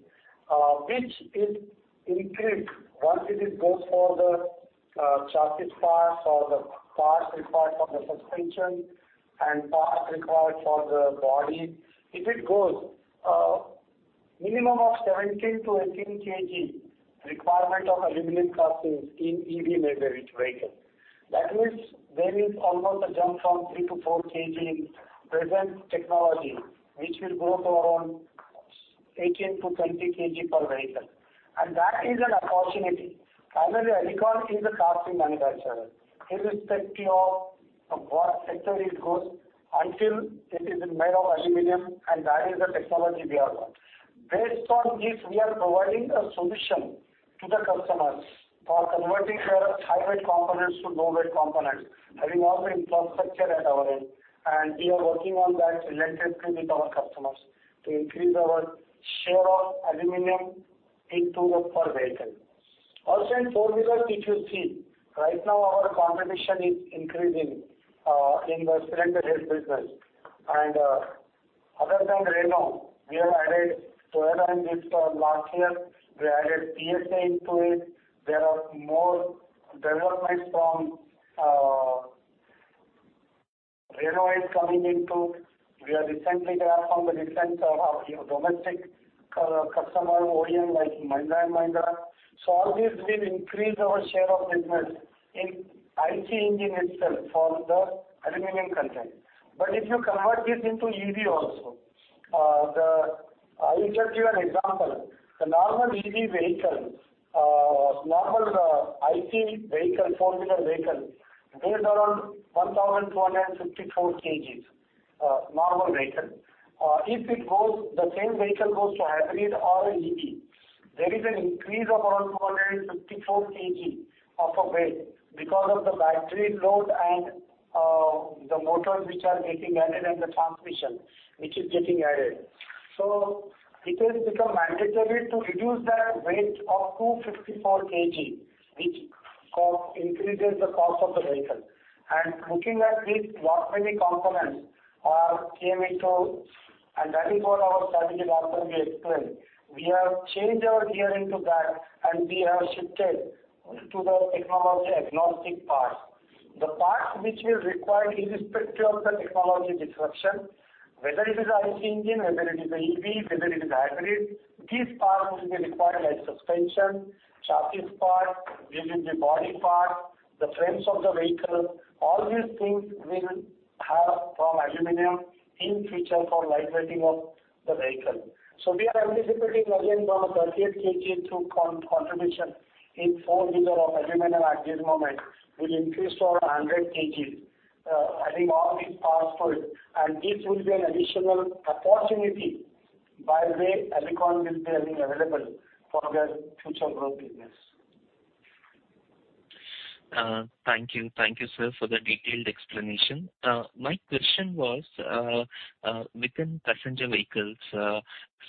which it increased once it goes for the chassis parts or the parts required for the suspension and parts required for the body. If it goes, minimum of 17 kg-18 kg requirement of aluminum castings in EV-based vehicle. That means there is almost a jump from 3 kg-4 kg in present technology, which will go to around 18 kg-20 kg per vehicle. That is an opportunity. Finally, Alicon is a casting manufacturer, irrespective of what sector it goes, until it is made of aluminum and that is the technology we have got. Based on this, we are providing a solution to the customers for converting their high weight components to low weight components, having all the infrastructure at our end, and we are working on that relentlessly with our customers to increase our share of aluminum into the per vehicle. Also, in four-wheeler, if you see, right now our contribution is increasing in the cylinder head business. Other than Renault, we have added Toyota in this last year. We added PSA into it. There are more developments from Renault is coming into. We have recently tapped on the defense of domestic customer OEM like Mahindra & Mahindra. All these will increase our share of business in IC engine itself for the aluminum content. If you convert this into EV also, I will just give you an example. The normal EV vehicle, normal IC vehicle, four-wheeler vehicle, weighs around 1,264 kgs, normal vehicle. If the same vehicle goes to hybrid or EV, there is an increase of around 254 kg of a weight because of the battery load and the motors which are getting added and the transmission which is getting added. It will become mandatory to reduce that weight of 254 kg, which increases the cost of the vehicle. Looking at this, what many components are came into and that is what our strategy that we explained. We have changed our gear into that, and we have shifted to the technology agnostic parts. The parts which will require irrespective of the technology disruption, whether it is IC engine, whether it is a EV, whether it is a hybrid, these parts will be required like suspension, chassis part, there will be body part, the frames of the vehicle, all these things will have from aluminum in future for light weighting of the vehicle. We are anticipating again around 38 kg through contribution in four-wheeler of aluminum at this moment, will increase to 100 kgs. I think all these parts for it, and this will be an additional opportunity by the way Alicon will be available for their future growth business. Thank you, sir, for the detailed explanation. My question was, within passenger vehicles,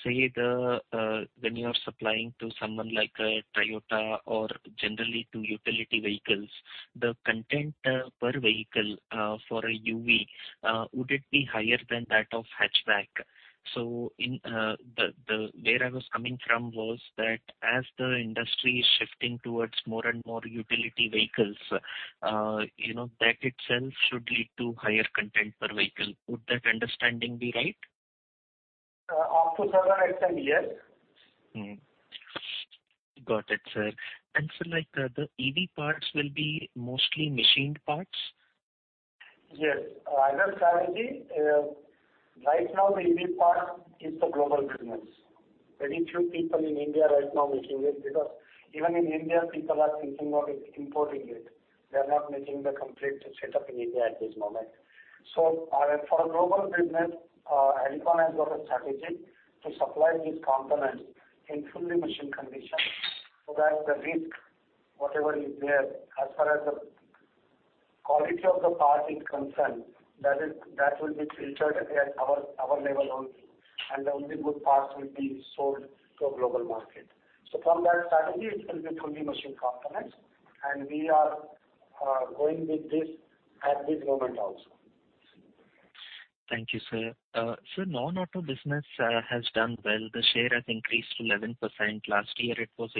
say when you are supplying to someone like a Toyota or generally to utility vehicles, the content per vehicle, for a UV, would it be higher than that of hatchback? Where I was coming from was that as the industry is shifting towards more and more utility vehicles, that itself should lead to higher content per vehicle. Would that understanding be right? Up to certain extent, yes. Got it, sir. Sir, the EV parts will be mostly machined parts? Yes. Our strategy, right now the EV part is the global business. Very few people in India right now making it, because even in India, people are thinking of importing it. They're not making the complete setup in India at this moment. For global business, Alicon has got a strategy to supply these components in fully machined condition, so that the risk, whatever is there as far as the quality of the part is concerned, that will be filtered at our level only, and only good parts will be sold to a global market. From that strategy, it will be fully machined components, and we are going with this at this moment also. Thank you, sir. Sir, non-auto business has done well. The share has increased to 11%. Last year, it was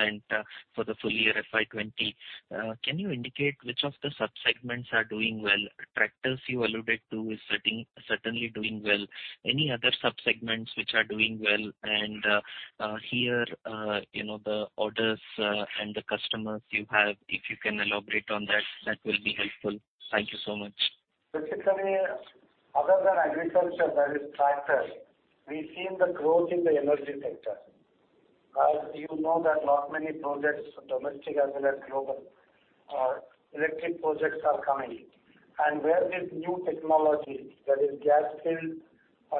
8% for the full year FY 2020. Can you indicate which of the sub-segments are doing well? Tractors, you alluded to, is certainly doing well. Any other sub-segments which are doing well? Here, the orders and the customers you have, if you can elaborate on that will be helpful. Thank you so much. Other than agriculture, that is tractors, we've seen the growth in the energy sector. As you know that not many projects, domestic as well as global, electric projects are coming. Where this new technology, that is gas-filled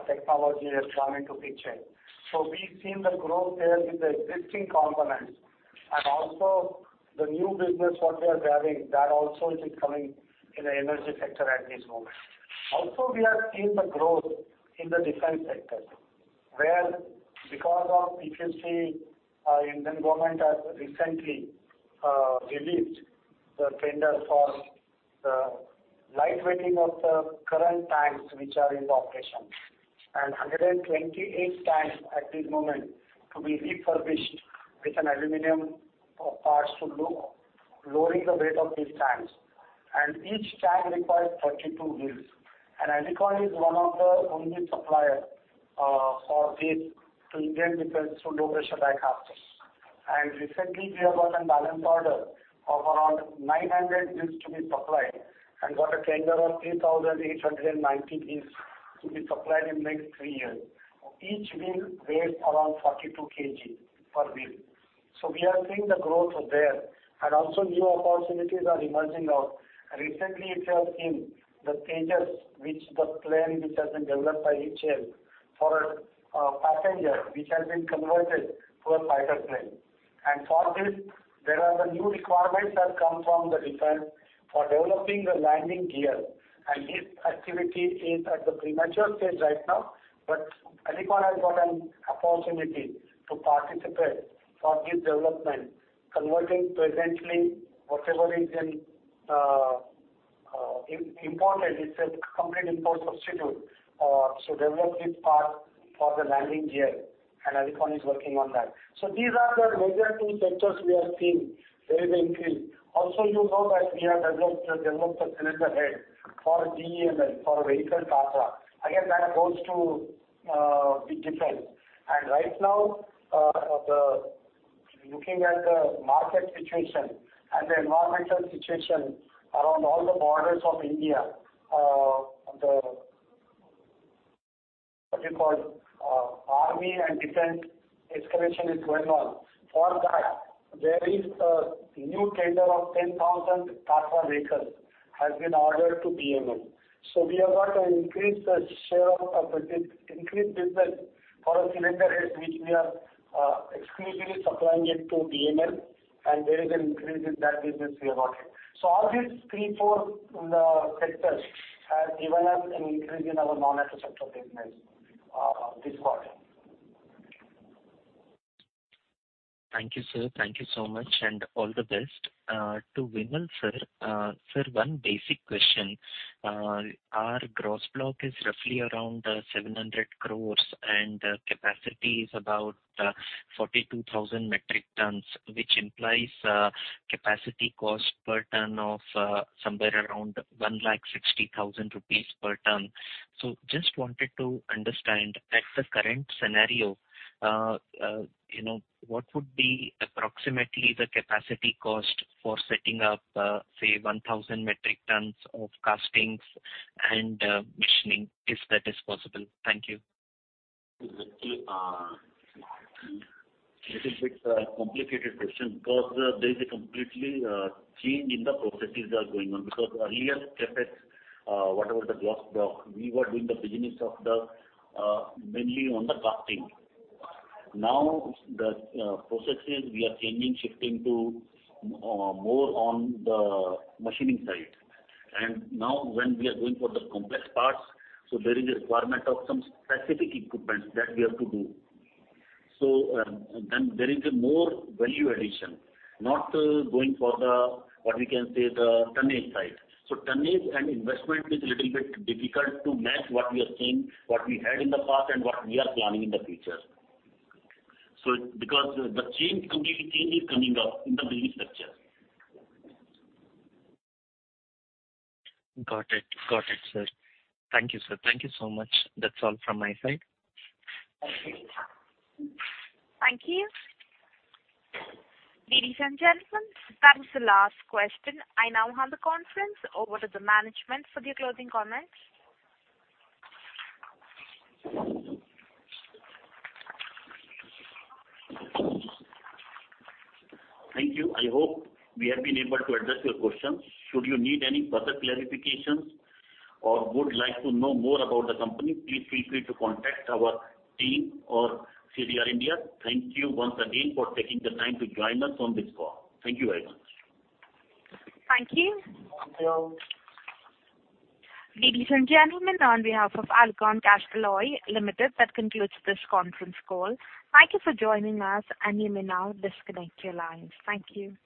technology has come into picture. We've seen the growth there with the existing components, and also the new business, what we are having, that also is coming in the energy sector at this moment. Also, we have seen the growth in the defense sector, where because of, if you see, Indian government has recently released the tender for the light weighting of the current tanks which are in operation. 128 tanks at this moment to be refurbished with an aluminum parts to do lowering the weight of these tanks. Each tank requires 32 wheels. Alicon is one of the only supplier for this to Indian defense, through low pressure die casting. Recently we have got a balanced order of around 900 wheels to be supplied, and got a tender of 3,890 wheels to be supplied in next three years. Each wheel weighs around 42 kg per wheel. We are seeing the growth there, and also new opportunities are emerging out. Recently, if you have seen the Tejas, which the plane which has been developed by HAL for a passenger, which has been converted to a fighter plane. For this, there are the new requirements that come from the defense for developing the landing gear. This activity is at the premature stage right now, but Alicon has got an opportunity to participate for this development, converting presently whatever is imported, it's a complete import substitute, so develop this part for the landing gear, and Alicon is working on that. These are the major two sectors we have seen very well increased. Also, you know that we have developed a cylinder head for BEML, for vehicle Tatra. Again, that goes to the defense. Right now, looking at the market situation and the environmental situation around all the borders of India, what do you call? Army and defense escalation is going on. For that, there is a new tender of 10,000 Tatra vehicles has been ordered to BEML. We have got an increased share of business for a cylinder head, which we are exclusively supplying it to BEML, and there is an increase in that business we have got it. All these three, four sectors have given us an increase in our non-auto sector business this quarter. Thank you, sir. Thank you so much, and all the best. To Vimal, sir. Sir, one basic question. Our gross block is roughly around 700 crore, and capacity is about 42,000 metric tons, which implies capacity cost per ton of somewhere around 160,000 rupees per ton. Just wanted to understand at the current scenario, what would be approximately the capacity cost for setting up, say, 1,000 metric tons of castings and machining, if that is possible? Thank you. Little bit complicated question because there is a completely change in the processes that are going on. Earlier, whatever the last, we were doing the business mainly on the casting. Now, the processes we are changing, shifting to more on the machining side. Now when we are going for the complex parts, there is a requirement of some specific equipment that we have to do. Then there is a more value addition, not going for the, what we can say, the tonnage side. Tonnage and investment is little bit difficult to match what we are seeing, what we had in the past, and what we are planning in the future. The complete change is coming up in the business structure. Got it, sir. Thank you, sir. Thank you so much. That's all from my side. Thank you. Ladies and gentlemen, that was the last question. I now hand the conference over to the management for their closing comments. Thank you. I hope we have been able to address your questions. Should you need any further clarifications or would like to know more about the company, please feel free to contact our team or CDR India. Thank you once again for taking the time to join us on this call. Thank you very much. Thank you. Thank you. Ladies and gentlemen, on behalf of Alicon Castalloy Limited, that concludes this conference call. Thank you for joining us, and you may now disconnect your lines. Thank you.